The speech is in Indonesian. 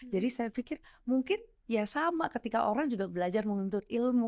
saya pikir mungkin ya sama ketika orang juga belajar menuntut ilmu